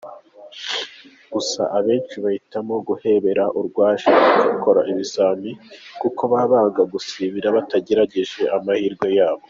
Gusa abenshi bahitamo guhebera urwaje bagakora ibizamini, kuko baba banga gusibira batagerageje amahirwe yabo.